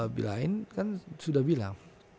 bilain kan sudah bilang